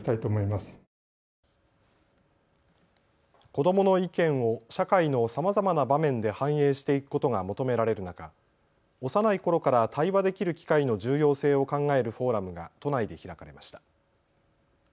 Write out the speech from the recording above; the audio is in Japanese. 子どもの意見を社会のさまざまな場面で反映していくことが求められる中、幼いころから対話できる機会の重要性を考えるフォーラムが都内で開かれました。